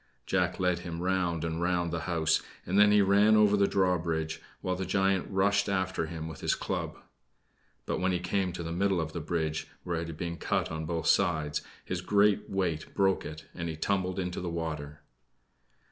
Jack led him round and round the house, and then he ran over the drawbridge, while the giant rushed after him with his club. But when he came to the middle of the bridge, where it had been cut on both sides, his great weight broke it, and he tumbled into the water.